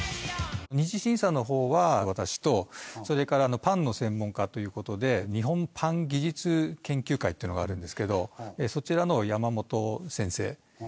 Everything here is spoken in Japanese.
２次審査の方は私とそれからパンの専門家という事で日本パン技術研究会っていうのがあるんですけどそちらの山本先生。